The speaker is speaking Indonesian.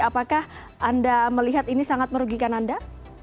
apakah anda melihat ini sangat merugikan anda